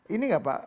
ini gak pak